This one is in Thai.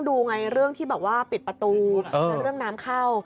ดูไงเรื่องที่แบบว่าปิดประตูเรื่องน้ำเข้า